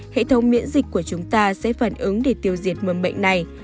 hệ thống miễn dịch của chúng ta sẽ phản ứng để tiêu diệt mầm bệnh này